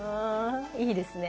いいですね